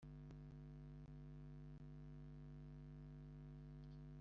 Rusohoka ku isafuriya Inzovu y'urwijiji rukabije ubujorojoro